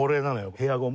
ヘアゴム。